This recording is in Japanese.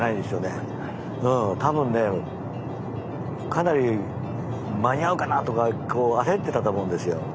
多分ねかなり間に合うかなとか焦ってたと思うんですよ。